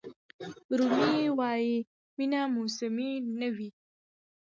رومي وایي مینه موسمي نه وي.